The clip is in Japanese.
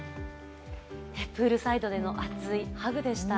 プールサイドでの熱いハグでした。